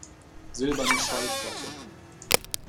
Silberne Schallplatte